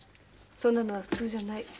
そんなのは普通じゃない。